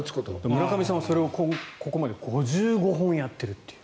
村上さんはここまで５５本やってるという。